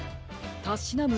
たしなむ